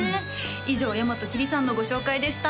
以上大和きりさんのご紹介でした